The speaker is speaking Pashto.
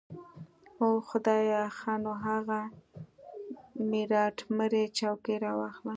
اوح خدايه ښه نو اغه ميراتمړې چوکۍ راواخله.